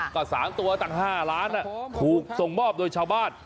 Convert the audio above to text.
ก็๓ตัวตั้ง๕ล้านถูกส่งมอบโดยชาวบ้าน